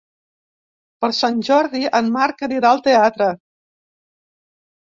Per Sant Jordi en Marc anirà al teatre.